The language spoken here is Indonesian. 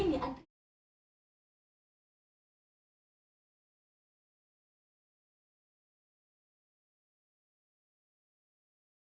mas lio kamu bisa berhenti